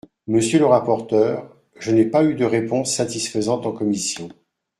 Monsieur le rapporteur, je n’ai pas eu de réponse satisfaisante en commission.